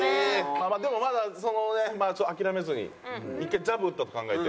まあまあでもまだその諦めずに一回ジャブ打ったと考えて。